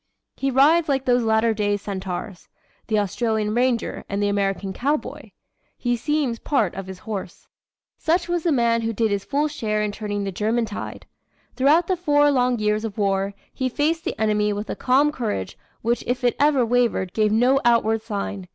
He rides like those latter day centaurs the Australian ranger and the American cowboy. He seems part of his horse." Such was the man who did his full share in turning the German tide. Throughout the four long years of war, he faced the enemy with a calm courage which if it ever wavered gave no outward sign.